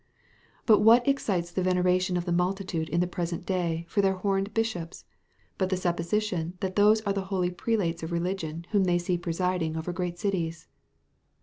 But what excites the veneration of the multitude in the present day for their horned bishops, but the supposition that those are the holy prelates of religion whom they see presiding over great cities?